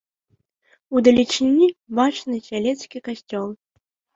Удалечыні бачны сялецкі касцёл.